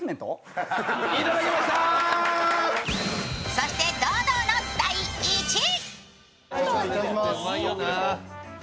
そして堂々の第１位。